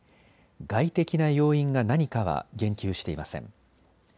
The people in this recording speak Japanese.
外的な要因が何かは言及していません。